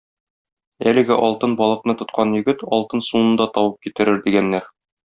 Әлеге алтын балыкны тоткан егет алтын суны да табып китерер, - дигәннәр.